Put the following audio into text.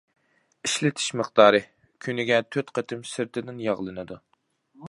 ئىشلىتىش مىقدارى: كۈنىگە تۆت قېتىم سىرتىدىن ياغلىنىدۇ.